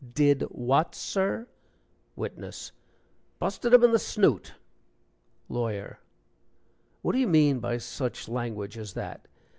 "Did what, sir?" WITNESS. "Busted him in the snoot." LAWYER. "What do you mean by such language as that?